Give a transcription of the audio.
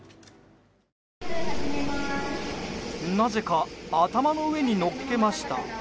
なぜか頭の上に乗っけました。